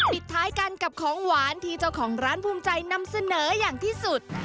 ปิดท้ายกันกับของหวานที่เจ้าของร้านภูมิใจนำเสนออย่างที่สุด